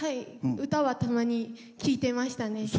歌はたまに聴いてましたね。